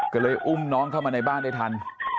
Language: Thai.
ก็เลยอุ้มน้องเข้ามาในบ้านได้ทัน